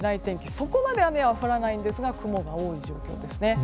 そこまで雨は降らないんですが雲が多い状況ですね。